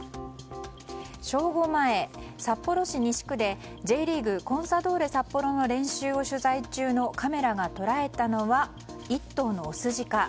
正午前、札幌市西区でＪリーグ、コンサドーレ札幌の練習を取材中のカメラが捉えたのは１頭のオスジカ。